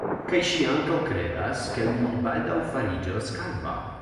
Kaj ŝi ankaŭ kredas, ke li baldaŭ fariĝos kalva.